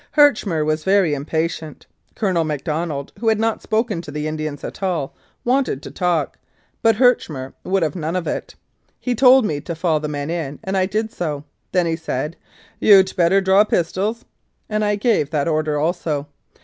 Herchmer was very im patient. Colonel McDonald, who had not spoken to the Indians at all, wanted to talk, but Herchmer would have none of it. He told me to fall the men in, and I did so. Then he said, "You'd better draw pistols," and I gave that order also.